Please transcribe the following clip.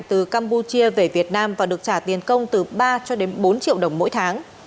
từ campuchia về việt nam và được trả tiền công từ ba cho đến bốn triệu đồng mỗi tháng